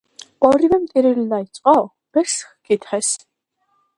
ორივემ ტირილი დაიწყო. ბერს ჰკითხეს